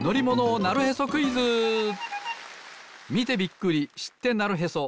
みてびっくりしってなるへそ！